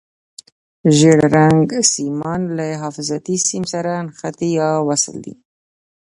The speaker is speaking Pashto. ژېړ رنګ سیمان له حفاظتي سیم سره نښتي یا وصل دي.